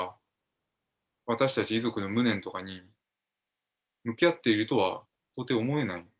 ２人の命とか、私たち遺族の無念とかに、向き合っているとは到底思えない。